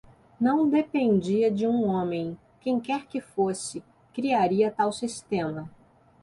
Não dependia de um homem, quem quer que fosse, criaria tal sistema.